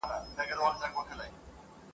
زما له لوري یې خبر کړی محتسب او ملاجان ..